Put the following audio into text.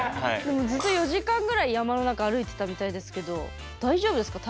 ずっと４時間ぐらい山の中歩いてたみたいですけど大丈夫ですか？